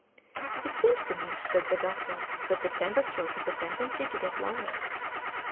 "It seems to me," said the doctor, "that the temperature has a tendency to get lower."